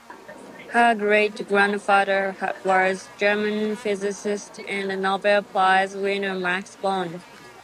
Her great-grandfather was German physicist and Nobel Prize winner Max Born.